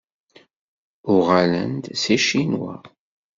Uɣalen-d seg Ccinwa.